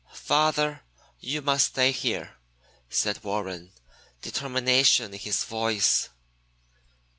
"Father, you must stay here," said Warren, determination in his voice.